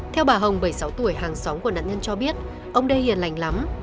theo bà hồng bảy mươi sáu tuổi hàng xóm của nạn nhân cho biết ông đê hiền lành lắm